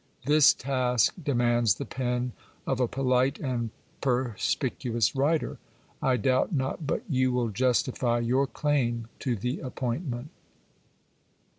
This task demands the pen of a polite and perspicuous writer ; I doubt not but you will justify your claim to the appointment.